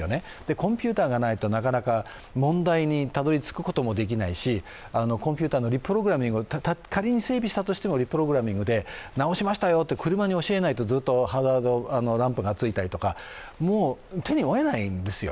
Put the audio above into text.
コンピューターがないと問題にたどりつくこともできないしコンピュータのリプログラミングを仮に整備したとして、リプログラミングで直しましたよと車に教えないとずっとハザードランプがついたりとか、もう手に負えないんですよ。